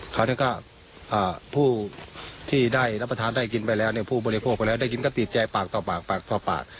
คราวนี้ก็ผู้ที่ได้รับประทานได้กินไปแล้วเนี่ยผู้บริโภคไปแล้วได้กินก็ติดใจปากต่อปากปากต่อปาก